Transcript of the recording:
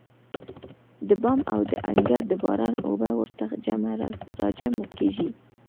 د بام او د انګړ د باران اوبه ورته راجمع کېږي.